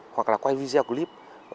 hoặc là qua video clip